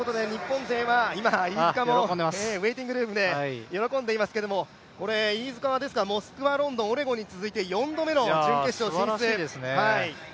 今、飯塚もウェイティングルームで喜んでいますが飯塚はモスクワ、ロンドン、オレゴンに続いて４回目の準決勝進出。